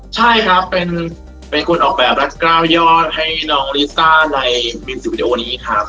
ใช่ครับเป็นคนออกแบบรัดกล้าวยอดให้น้องลิซ่าในมิวสิกวิดีโอนี้ครับ